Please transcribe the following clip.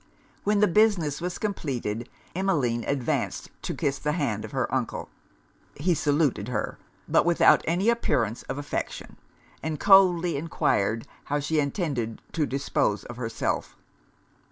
When the business was completed, Emmeline advanced to kiss the hand of her uncle: he saluted her; but without any appearance of affection; and coldly enquired how she intended to dispose of herself?